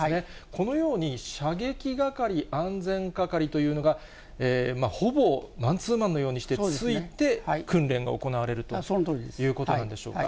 このように、射撃係、安全係というのが、ほぼマンツーマンのようにしてついて、訓練が行われるということなんでしょうか。